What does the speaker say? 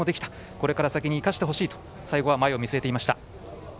これから先に生かせてほしいと最後は前を見据えていました。